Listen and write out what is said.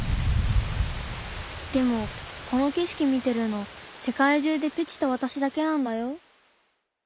でもこのけしき見てるのせかい中でペチとわたしだけなんだよ。